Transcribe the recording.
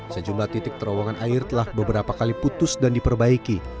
sejumlah titik terowongan air telah beberapa kali putus dan diperbaiki